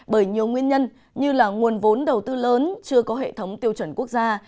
bởi nhiều nguyên nhân như là nguồn vốn đầu tư lớn chưa có hệ thống tiêu chuẩn quốc gia